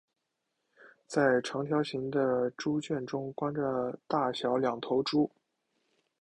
在长条形的猪圈中关着大小两头猪。